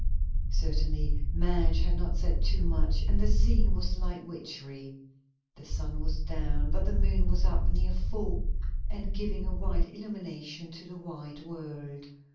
Certinaly Madge had not said too much, and the scene was like witchery. The sun was down, but the moon was up, near full, and giving a white illumination to the white world.